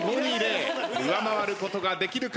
上回ることができるか？